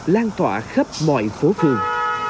lan tỏa khắp mọi phố phường